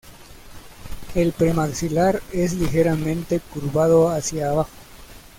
El premaxilar es ligeramente curvado hacia abajo.